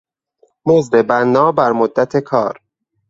مزد بنابر مدت کار